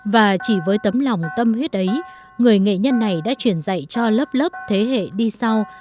và chỉ với tấm lòng tâm huyết ấy người nghệ nhân này đã truyền dạy cho lớp lớp thế hệ đi sau